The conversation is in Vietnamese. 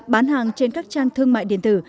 bán hàng trên các trang thương mại điện tử